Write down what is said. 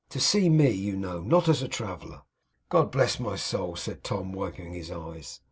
To see me, you know; not as a traveller.' 'God bless my soul!' said Tom, wiping his eyes.